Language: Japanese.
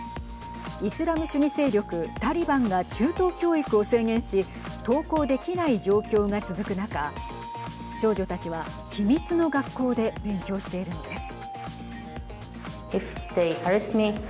イスラム主義勢力タリバンが中等教育を制限し登校できない状況が続く中少女たちは、秘密の学校で勉強しているんです。